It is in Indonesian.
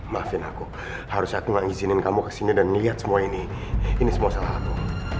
maafin aku harus aku gak izinin kamu kesini dan ngeliat semua ini ini semua salah aku